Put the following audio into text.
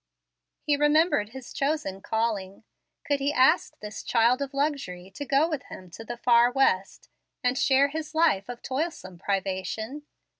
He remembered his chosen calling. Could he ask this child of luxury to go with him to the far West and share his life of toilsome privation?